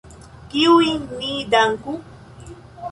Kiujn ni danku?